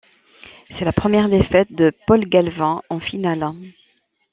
C’est la première défaite de Paul Galvin en finale.